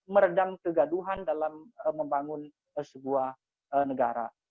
meredam kegaduhan dalam membangun sebuah negara